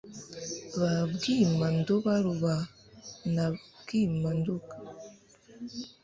ba bwimandubaruba na bwimanduga